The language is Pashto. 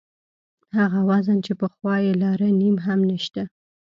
هغه وزن چې پخوا یې لاره نیم هم نشته.